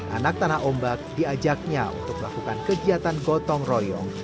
anak tanah ombak diajaknya untuk melakukan kegiatan gotong royong